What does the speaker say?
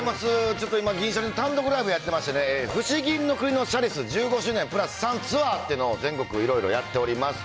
ちょっと今、銀シャリ、単独ライブやってましてね、不思銀の国のシャリス１５周年＋３ツアーというのを全国いろいろやっております。